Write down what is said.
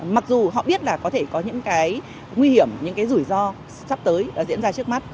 mặc dù họ biết là có thể có những cái nguy hiểm những cái rủi ro sắp tới đã diễn ra trước mắt